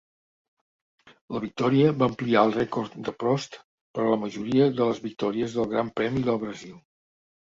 La victòria va ampliar el rècord de Prost per a la majoria de les victòries del Gran Premi del Brasil.